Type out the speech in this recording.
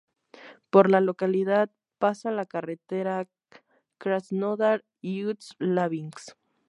Por la localidad pasa la carretera Krasnodar-Ust-Labinsk.